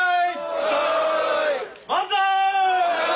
万歳！